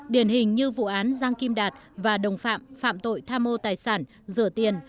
điển hình như vụ án giang kim đạt và đồng phạm phạm tội tham mô tài sản rửa tiền